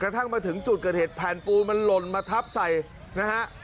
ทั้งมาถึงจุดเกิดเหตุแผ่นปูมันหล่นมาทับใส่นะฮะ